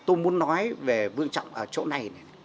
ông nói về vương trọng ở chỗ này